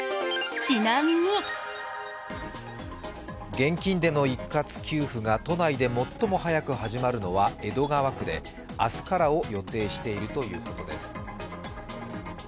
現金での一括給付が都内で最も早く始まるのは江戸川区で明日からを予定しているということです。